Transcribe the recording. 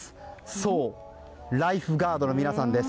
そう、ライフガードの皆さんです。